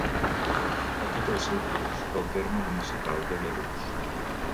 Fa tot el seu curs pel terme municipal de Lladurs.